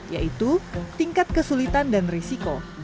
yaitu tingkat kesulitan dan risiko